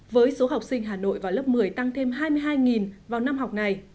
với số học sinh hà nội vào lớp một mươi tăng thêm hai mươi hai vào năm học này